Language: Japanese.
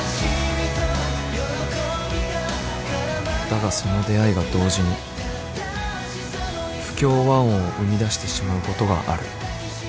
［だがその出会いが同時に不協和音を生み出してしまうことがある］